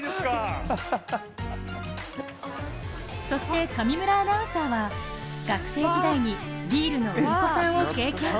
そして、上村アナウンサーは学生時代にビールの売り子さんを経験。